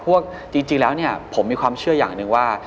เพราะว่าจริงแล้วผมมีความเชื่ออย่างหนึ่งว่า